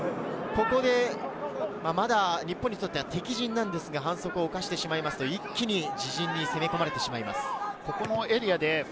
まだ日本にとっては敵陣なのですが、反則を犯してしまうと、一気に自陣に攻め込まれてしまいます。